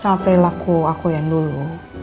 sama perilaku aku yang dulu